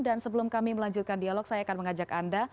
dan sebelum kami melanjutkan dialog saya akan mengajak anda